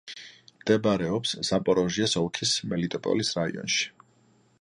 მდებარეობს ზაპოროჟიეს ოლქის მელიტოპოლის რაიონში.